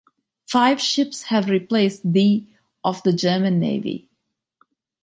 Five ships have replaced the of the German Navy.